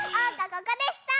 ここでした！